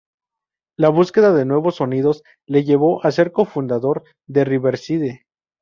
La búsqueda de nuevos sonidos le llevó a ser cofundador de Riverside.